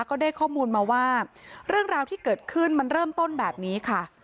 ก็ได้ข้อมูลมาว่าเรื่องราวที่เกิดขึ้นมันเริ่มต้นแบบนี้ค่ะ